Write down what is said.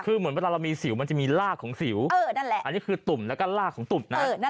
คือเหมือนเวลาเรามีสิวมันจะมีลากของสิวนั่นแหละอันนี้คือตุ่มแล้วก็ลากของตุ่มนะ